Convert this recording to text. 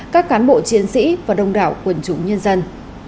các cán bộ chiến sĩ và đồng đảo quần chủ nhân dân